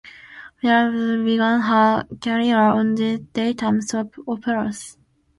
Rutherford began her career on daytime soap operas.